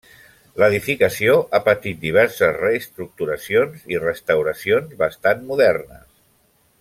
L'edificació ha patit diverses reestructuracions i restauracions bastant modernes.